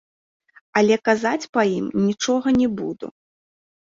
Але казаць па ім нічога не буду.